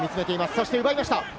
そして奪いました。